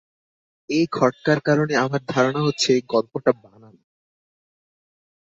এই খটকার কারণে আমার ধারণা হচ্ছে গল্পটা বানানো।